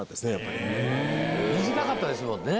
短かったですもんね。